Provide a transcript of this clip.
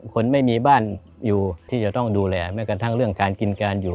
คนไม่มีบ้านอยู่ที่จะต้องดูแลแม้กระทั่งเรื่องการกินการอยู่